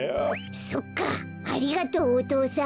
そっかありがとうお父さん。